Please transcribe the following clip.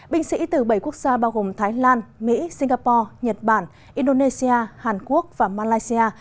binh sĩ từ bảy quốc gia bao gồm thái lan mỹ singapore nhật bản indonesia hàn quốc và malaysia